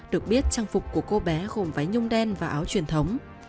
được biết trang phục của cô bé gồm váy nhung đen và áo truyền thống